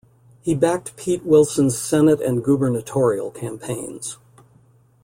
He backed Pete Wilson's Senate and gubernatorial campaigns.